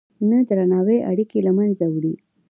نه درناوی اړیکې له منځه وړي.